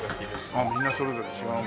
あっみんなそれぞれ違うものが。